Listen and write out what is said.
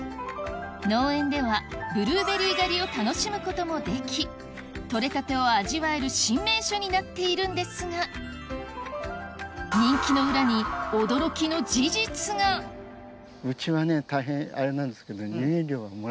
農園ではブルーベリー狩りを楽しむこともでき取れたてを味わえる新名所になっているんですが人気の裏にうちはね大変あれなんですけど。